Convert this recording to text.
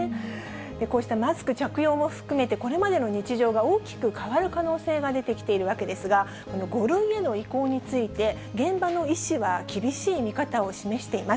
こうしたマスク着用も含めて、これまでの日常が大きく変わる可能性が出てきているわけですが、５類への移行について、現場の医師は、厳しい見方を示しています。